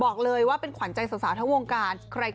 บอกเลยว่าเป็นขวัญใจสาวทั้งวงการ